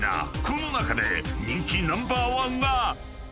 ［この中で人気ナンバーワンは⁉］